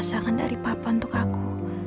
kalau aku rasakan dari papa untuk aku